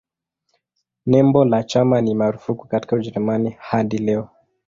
Nembo la chama ni marufuku katika Ujerumani hadi leo.